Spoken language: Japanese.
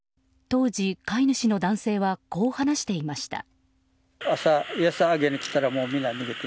当時、飼い主の男性はこう話していました。